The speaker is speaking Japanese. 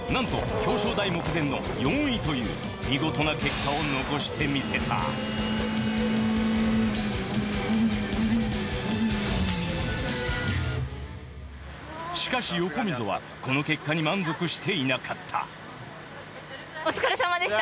表彰台目前の４位という見事な結果を残してみせたしかし横溝はこの結果に満足していなかったお疲れさまでした。